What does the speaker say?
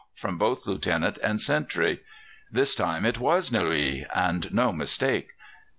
from both Lieutenant and sentry. This time it was Nouilly, and no mistake.